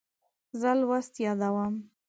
زه لوست یادوم.